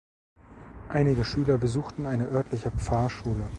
Einige Schüler besuchten eine örtliche Pfarrschule.